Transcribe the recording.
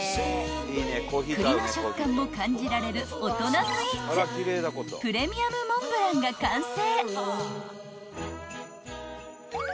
［栗の食感も感じられる大人スイーツプレミアムモンブランが完成］